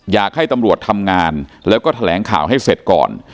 อยากให้ตำรวจทำงานแล้วก็แถลงข่าวให้เสร็จก่อน